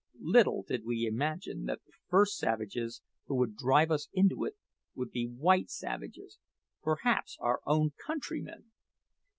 Little did we imagine that the first savages who would drive us into it would be white savages perhaps our own countrymen!